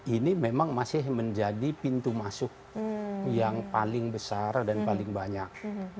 ini memang masih menjadi pintu masuk yang paling besar dan paling banyak